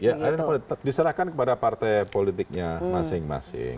ya arena politik diserahkan kepada partai politiknya masing masing